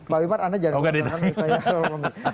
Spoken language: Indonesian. pak wibar anda jangan mengomentarkan